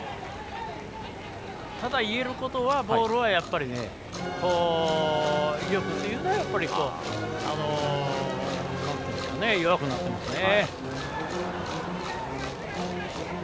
ただ言えることはボールの威力というのは弱くなってますね。